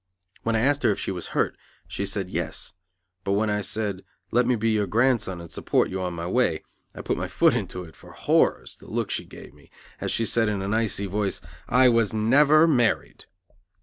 When I asked her if she was hurt, she said "yes," but when I said "Let me be your grandson and support you on my way," I put my foot into it, for, horrors! the look she gave me, as she said in an icy voice, "I was never married!"